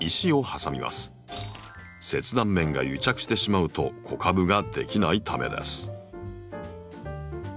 切断面が癒着してしまうと子株が出来ないためです。